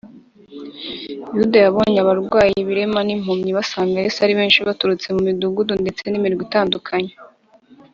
yuda yabonye abarwayi, ibirema n’impumyi basanga yesu ari benshi baturutse mu midugudu ndetse n’imirwa itandukanye